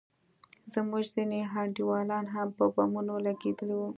زموږ ځينې انډيوالان هم په بمونو لگېدلي وو.